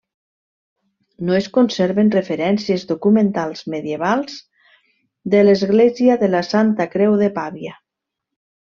No es conserven referències documentals medievals de l'església de la Santa Creu de Pavia.